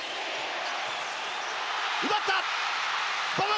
奪った！